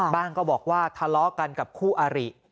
ก็บอกว่าทะเลาะกันกับคู่อาริ